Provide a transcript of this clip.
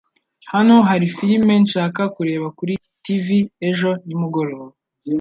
Hano hari firime nshaka kureba kuri TV ejo nimugoroba.